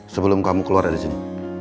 sebelum kamu keluar dari sini